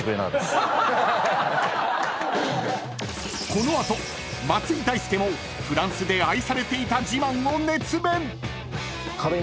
［この後松井大輔もフランスで愛されていた自慢を熱弁］